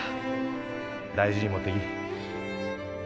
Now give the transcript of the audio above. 大事に持っていき。